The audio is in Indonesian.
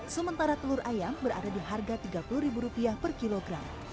sementara telur ayam berada di harga rp tiga puluh per kilogram